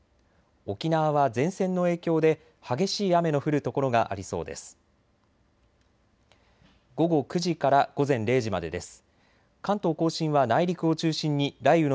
沖縄は前線の影響で激しい雨の降る所がありそうです。